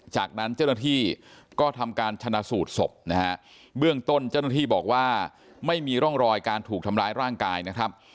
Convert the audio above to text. จากนั้นเจ้าหน้าที่ก็ทำการชนะสูตรศพนะฮะเบื้องต้นเจ้าหน้าที่บอกว่าไม่มีร่องรอยการถูกทำร้ายร่างกายนะครับ